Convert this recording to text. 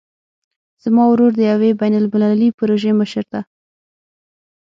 زما ورور د یوې بین المللي پروژې مشر ده